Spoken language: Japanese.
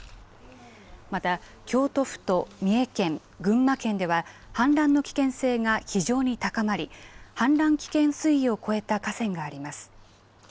また京都府と三重県、群馬県では氾濫の危険性が非常に高まり氾濫危険水位を超えた河川があります。